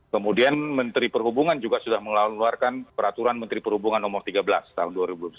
kemudian menteri perhubungan juga sudah mengeluarkan peraturan menteri perhubungan nomor tiga belas tahun dua ribu dua puluh satu